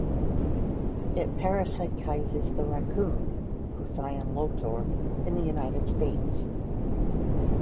It parasitizes the raccoon ("Procyon lotor") in the United States.